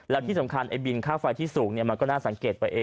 แล้วที่สำคัญไอ้บินค่าไฟที่สูงมันก็น่าสังเกตว่า